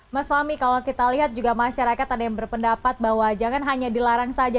mas fahmi kalau kita lihat juga masyarakat ada yang berpendapat bahwa jangan hanya dilarang saja